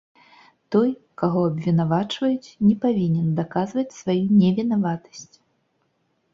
Той, каго абвінавачваюць, не павінен даказваць сваю невінаватасць.